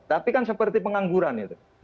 tapi kan seperti pengangguran